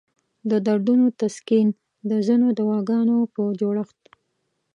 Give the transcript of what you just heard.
د دردونو د تسکین د ځینو دواګانو په جوړښت کې.